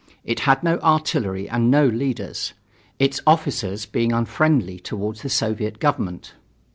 It had no artillery and no leaders, its officers being unfriendly toward the Soviet government.